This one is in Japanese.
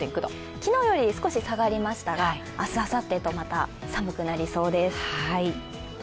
昨日より少し下がりましたが、明日、あさってとまた寒くなりそうです。